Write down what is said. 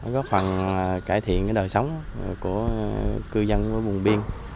góp phần cải thiện đời sống của cư dân bùn biên